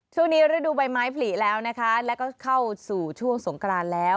ฤดูใบไม้ผลิแล้วนะคะแล้วก็เข้าสู่ช่วงสงกรานแล้ว